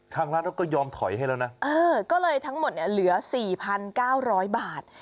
ทางร้านก็ยอมถอยให้แล้วนะเออก็เลยทั้งหมดเนี่ยเหลือ๔๙๐๐บาท